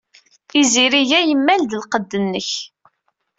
Izirig-a yemmal-d lqedd-nnek.